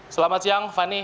selamat siang fani